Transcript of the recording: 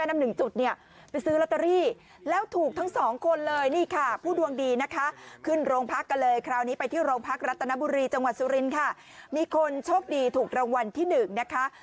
มีคนโชคดีถูกรางวัลที่๑นะคะ